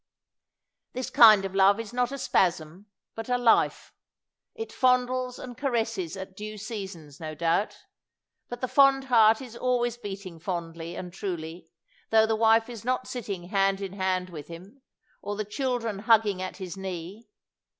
This kind of love is not a spasm, but a life. It fondles and caresses at due seasons, no doubt ; but the fond heart is always beating fondly and truly, tho the wife is not sitting hand in hand with him or the children hugging at his knee.